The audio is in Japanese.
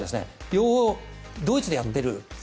両方、ドイツでやっている。